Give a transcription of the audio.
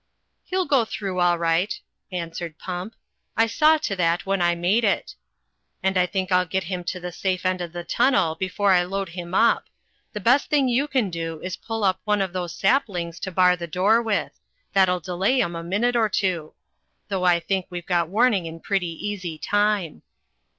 "He'll go through all right," answered Pump. "I saw to that when I made it. And I think I'll get him to the safe end of the tunnel before I load him up. The best thing you can do is to pull up one of those saplings to bar the door with. That'll delay them a minute or two ; though I think we've got warn ing in pretty easy time."